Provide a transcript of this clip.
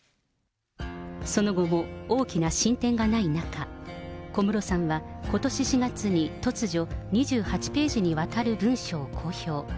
その後も大きな進展がない中、小室さんはことし４月に突如、２８ページにわたる文書を公表。